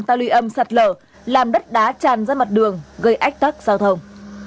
ta lùi âm sạt lở làm đất đá tràn ra mặt đường gây ách tắc giao thông